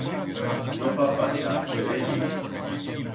No fa falta, se veye.